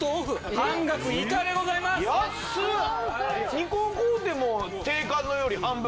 ２個買うても定価より半分。